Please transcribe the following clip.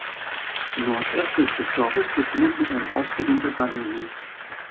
Nordöstlich des Dorfes befindet sich ein ausgedehnter Baggersee.